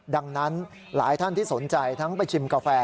ดังนั้นหลายท่านที่สนใจทั้งไปชิมกาแฟ